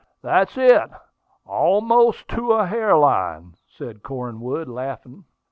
"That's it, almost to a hair line," said Cornwood, laughing.